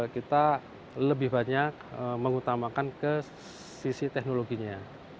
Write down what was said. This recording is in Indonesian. kita lebih banyak mengutamakan ke sisi teknologinya